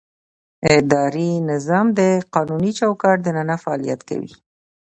اداري نظام د قانوني چوکاټ دننه فعالیت کوي.